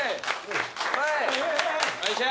よいしょ！